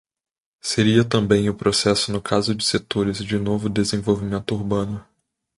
Seria também o processo no caso de setores de novo desenvolvimento urbano.